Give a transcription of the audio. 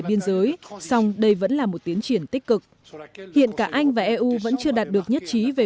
biên giới song đây vẫn là một tiến triển tích cực hiện cả anh và eu vẫn chưa đạt được nhất trí về